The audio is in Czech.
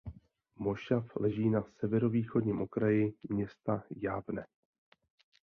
Mošav leží na severovýchodním okraji města Javne.